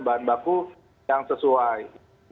bahan baku yang sesuai